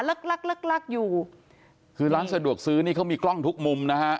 ลักลักลักอยู่คือร้านสะดวกซื้อนี่เขามีกล้องทุกมุมนะฮะ